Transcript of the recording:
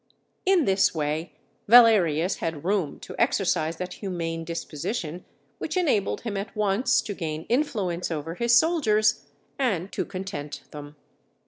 In this way Valerius had room to exercise that humane disposition which enabled him at once to gain influence over his soldiers and to content them.